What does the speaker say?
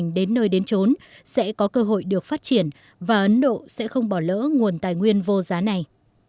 nếu các em học hành đến nơi đến trốn sẽ có cơ hội được phát triển và ấn độ sẽ không bỏ lỡ nguồn tài nguyên vô giá này